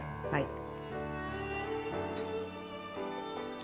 はい。